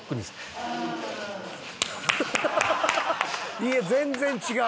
「いや全然違う」